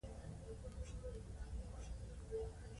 د افغانانو ناسته پاسته یې خوښیدله.